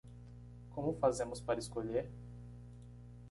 Como fazemos para escolher?